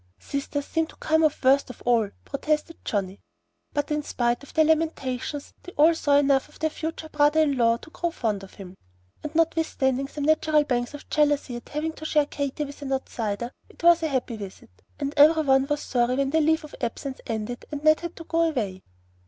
"Sisters seem to come off worst of all," protested Johnnie. But in spite of their lamentations they all saw enough of their future brother in law to grow fond of him; and notwithstanding some natural pangs of jealousy at having to share Katy with an outsider, it was a happy visit, and every one was sorry when the leave of absence ended, and Ned had to go away.